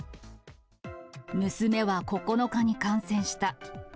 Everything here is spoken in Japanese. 娘は９日に感染した。